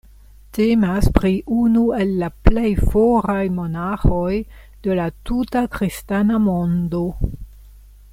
Temas pri unu el la plej foraj monaĥoj de la tuta kristana mondo.